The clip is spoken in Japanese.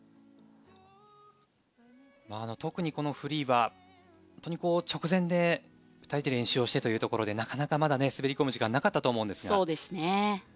特にこのフリーは直前で２人で練習をしてというところでなかなかまだ滑り込む時間がなかったと思いますが。